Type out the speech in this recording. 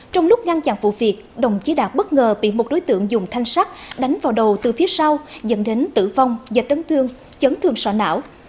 trong lúc ngăn chặn vụ việc đồng chí đạt bất ngờ bị một đối tượng dùng thanh sắt đánh vào đầu từ phía sau dẫn đến tử vong do tấn thương chấn thương sọ não